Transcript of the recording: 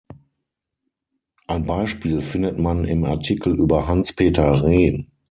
Ein Beispiel findet man im Artikel über Hans Peter Rehm.